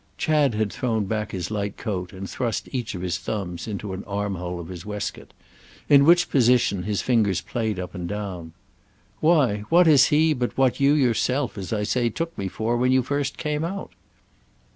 Chad had thrown back his light coat and thrust each of his thumbs into an armhole of his waistcoat; in which position his fingers played up and down. "Why, what is he but what you yourself, as I say, took me for when you first came out?"